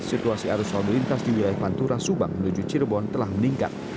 situasi arus lalu lintas di wilayah pantura subang menuju cirebon telah meningkat